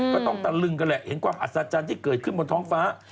ก็ต้องตะลึงกันแหละเห็นความอัศจรรย์ที่เกิดขึ้นบนท้องฟ้า